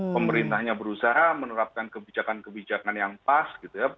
pemerintahnya berusaha menerapkan kebijakan kebijakan yang pas gitu ya